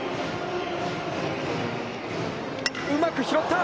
うまく拾った。